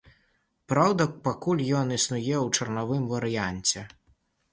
Праўда, пакуль ён існуе ў чарнавым варыянце.